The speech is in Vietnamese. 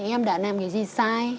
em đã làm cái gì sai